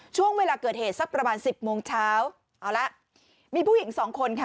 ช่วงเวลาเกิดเหตุสักประมาณสิบโมงเช้าเอาละมีผู้หญิงสองคนค่ะ